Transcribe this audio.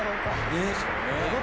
えっ？